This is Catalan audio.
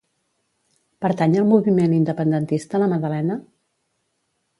Pertany al moviment independentista la Madalena?